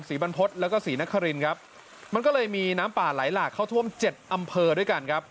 บรรพฤษแล้วก็ศรีนครินครับมันก็เลยมีน้ำป่าไหลหลากเข้าท่วมเจ็ดอำเภอด้วยกันครับ